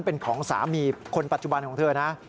เป็นของสามีคนปัจจุบันของเธอนะ